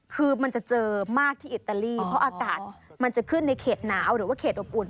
คือมันจะเจอมากที่อิตาลีเพราะอากาศมันจะขึ้นในเขตหนาวหรือว่าเขตอบอุ่น